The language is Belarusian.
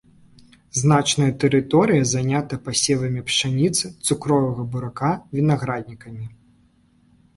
Значная тэрыторыя занята пасевамі пшаніцы, цукровага бурака, вінаграднікамі.